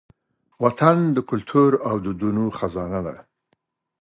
وطن د کلتور او دودونو خزانه ده.